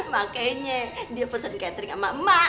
makanya dia pesan catering sama emak